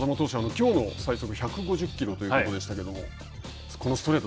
きょうの最速１５０キロということでしたけれどもこのストレート